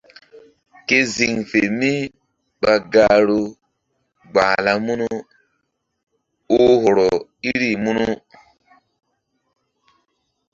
Ke ziŋ fe mi ɓa gahru gbahla munu oh hɔrɔ iri munu.